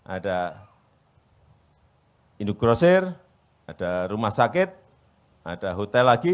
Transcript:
ada indogrosir ada rumah sakit ada hotel lagi